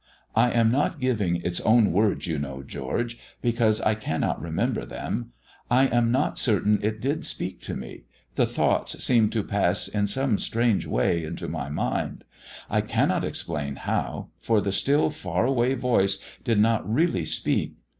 I am not giving its own words, you know, George, because I cannot remember them. I am not certain it did speak to me; the thoughts seemed to pass in some strange way into my mind; I cannot explain how, for the still far away voice did not really speak.